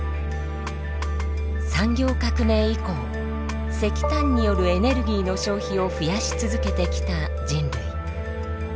産業革命以降石炭によるエネルギーの消費を増やし続けてきた人類。